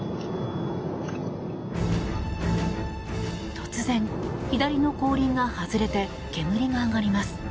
突然、左の後輪が外れて煙が上がります。